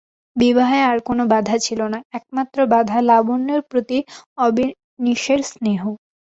বিবাহে আর কোনো বাধা ছিল না, একমাত্র বাধা লাবণ্যর প্রতি অবনীশের স্নেহ।